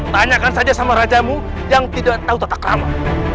tanyakan saja sama rajamu yang tidak tahu tata krama